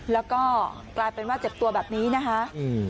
แล้วก็กลายเป็นว่าเจ็บตัวแบบนี้นะคะอืม